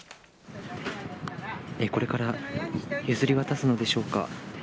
これから譲り渡すのでしょうか。